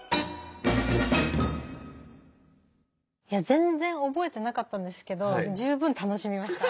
全然覚えてなかったんですけど十分楽しみました。